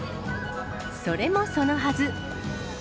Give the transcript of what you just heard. それもそのはず。